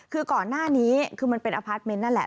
คือก่อนหน้านี้คือมันเป็นอพาร์ทเมนต์นั่นแหละ